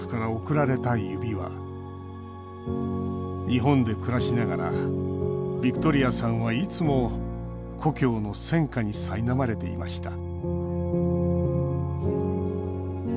日本で暮らしながらビクトリアさんは、いつも故郷の戦禍にさいなまれていました。